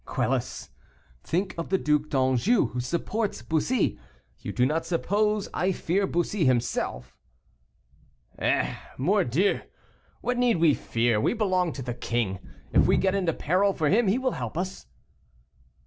"Quelus, think of the Duc d'Anjou, who supports Bussy; you do not suppose I fear Bussy himself?" "Eh! Mordieu, what need we fear; we belong to the king. If we get into peril for him he will help us."